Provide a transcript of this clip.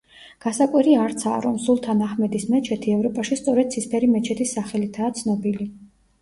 გასაკვირი არცაა, რომ სულთან აჰმედის მეჩეთი ევროპაში სწორედ ცისფერი მეჩეთის სახელითაა ცნობილი.